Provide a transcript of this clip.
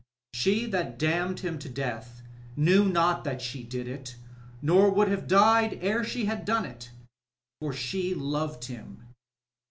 She that damned him to death knew not that she did it, or would have died ere she had done it. For she loved him.